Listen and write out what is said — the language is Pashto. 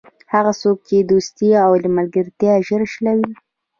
هغه څوک چې دوستي او ملګرتیا ژر شلوي.